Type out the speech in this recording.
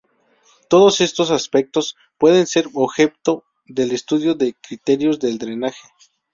Todos estos aspectos pueden ser objeto del estudio de criterios del drenaje.